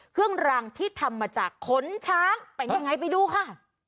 เครื่องรังที่ทำมาจากขนช้างเป็นยังไงไปดูค่ะ